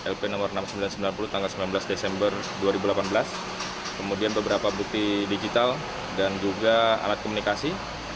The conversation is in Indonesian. lp nomor enam ribu sembilan ratus sembilan puluh tanggal sembilan belas desember dua ribu delapan belas kemudian beberapa bukti digital dan juga alat komunikasi